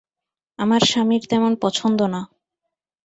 আমার স্বামীর তেমন পছন্দ না।